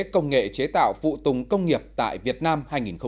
công nghệ chế tạo phụ tùng công nghiệp tại việt nam hai nghìn một mươi chín